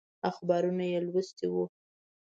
اخبارونه یې لوستي وو.